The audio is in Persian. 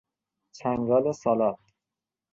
چنگال سالاد